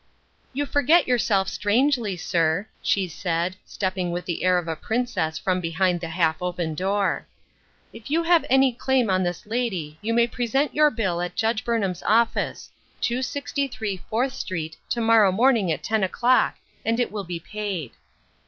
" You forget yourself strangely, sir," she said, stepping with the air of a princess from behind the half open door. " If you have any claim on this lady you may present your bill at Judge Burn ham's office, 263 Fourth Street, to morrow morning at ten o'clock, and it will be paid."